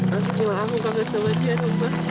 masih di rumah aku gak sama dia ma